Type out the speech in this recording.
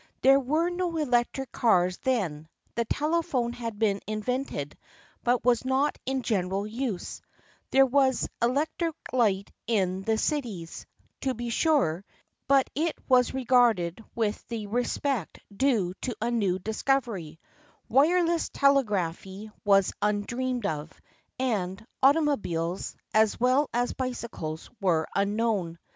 There were no electric cars then, the telephone had been invented but was not in general use, there was electric light in the cities, to be sure, but it was regarded with the respect due to a new discovery, wireless telegraphy was undreamed of, and automobiles, as well as bicycles, were unknown.